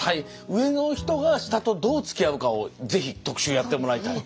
上の人が下とどうつきあうかをぜひ特集やってもらいたい。